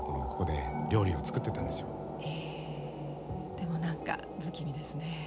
でも何か不気味ですね。